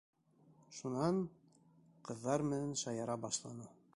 Шунан... ҡыҙҙар менән шаяра башланы...